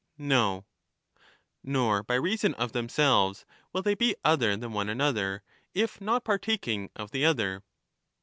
No. Nor by reason of themselves will they be other than one another, if not partaking of the other.